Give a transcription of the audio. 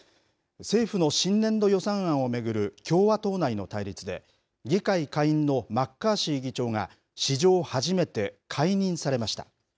政府の新年度予算案を巡る共和党内の対立で、議会下院のマッカーシー議長が、史上初めて解任されました。